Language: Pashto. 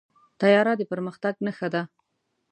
طیاره د پرمختګ نښه ده.